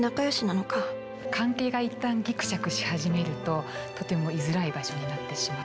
関係がいったんぎくしゃくし始めると、とても居づらい場所になってしまう。